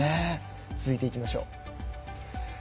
続いていきましょう。